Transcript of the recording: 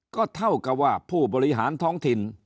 ก็เท่ากับว่าผู้บริหารท้องถิ่น